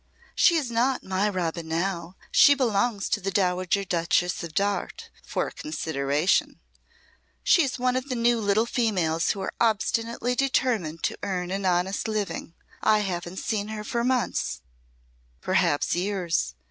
"She is not my Robin now. She belongs to the Dowager Duchess of Darte for a consideration. She is one of the new little females who are obstinately determined to earn an honest living. I haven't seen her for months perhaps years.